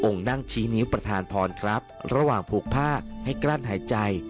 นั่งชี้นิ้วประธานพรครับระหว่างผูกผ้าให้กลั้นหายใจ